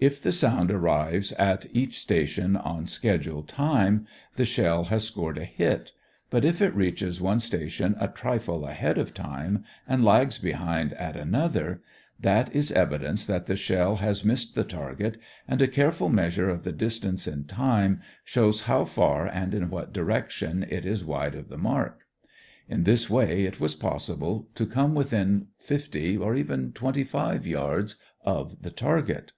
If the sound arrives at each station on schedule time, the shell has scored a hit; but if it reaches one station a trifle ahead of time and lags behind at another, that is evidence that the shell has missed the target and a careful measure of the distance in time shows how far and in what direction it is wide of the mark. In this way it was possible to come within fifty or even twenty five yards of the target.